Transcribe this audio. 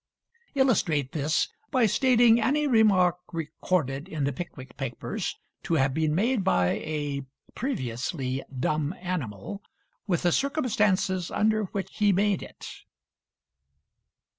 Illustrate this by stating any remark recorded in the 'Pickwick Papers' to have been made by a (previously) dumb animal, with the circumstances under which he made it.